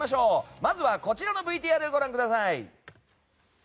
まずはこちらのＶＴＲご覧ください。